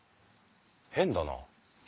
変だな。